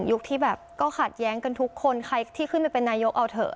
ที่แบบก็ขัดแย้งกันทุกคนใครที่ขึ้นไปเป็นนายกเอาเถอะ